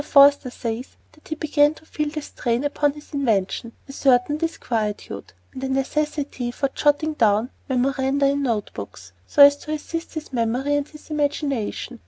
Forster says that he began to feel a strain upon his invention, a certain disquietude, and a necessity for jotting down memoranda in note books, so as to assist his memory and his imagination.